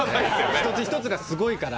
一つ一つがすごいから。